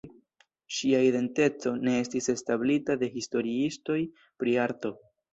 Ŝia identeco ne estis establita de historiistoj pri arto.